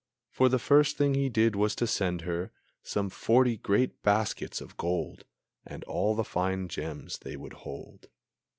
For the first thing he did was to send her Some forty great baskets of gold, And all the fine gems they would hold.